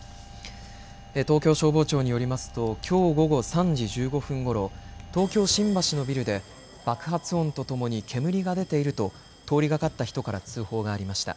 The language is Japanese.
東京消防庁によりますときょう午後３時１５分ごろ東京、新橋のビルで爆発音とともに煙が出ていると通りがかった人から通報がありました。